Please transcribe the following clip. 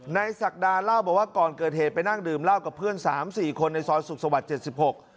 ศักดาเล่าบอกว่าก่อนเกิดเหตุไปนั่งดื่มเหล้ากับเพื่อนสามสี่คนในซอยสุขสวรรค์เจ็ดสิบหก